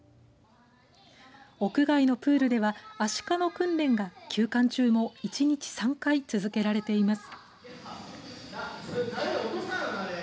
屋外のプールではアシカの訓練が休館中も１日３回続けられています。